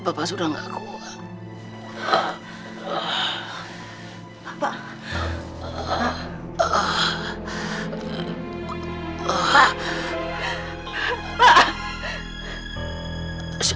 bapak sudah gak kuat